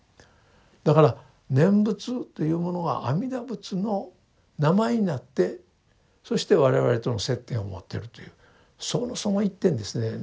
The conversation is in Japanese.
だから念仏というものが阿弥陀仏の名前になってそして我々との接点を持ってるというその一点ですね。